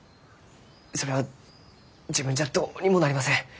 それは自分じゃどうにもなりません。